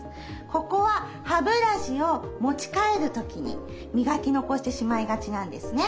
ここは歯ブラシを持ち替える時にみがき残してしまいがちなんですね。